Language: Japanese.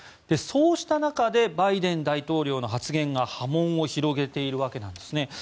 そうした中でバイデン大統領の発言が波紋を広げているわけなんですね。